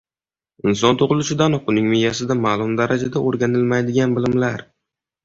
Inson tug’ilishidanoq uning miyasida ma’lum darajada o’rganilmaydigan bilimlar